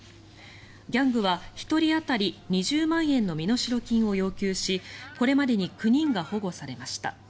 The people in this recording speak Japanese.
ギャングは１人当たり２０万円の身代金を要求しこれまでに９人が保護されました。